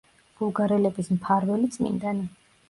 ბულგარელების მფარველი წმინდანი.